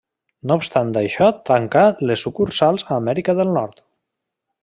No obstant això tancà les sucursals a Amèrica del Nord.